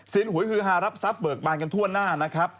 หวยฮือฮารับทรัพย์เบิกบานกันทั่วหน้านะครับ